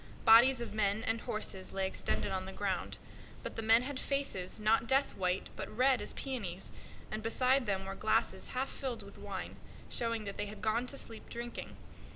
Bodies of men and horses lay extended on the ground; but the men had faces, not death white, but red as roses, and beside them were glasses half filled with wine, showing that they had gone to sleep drinking.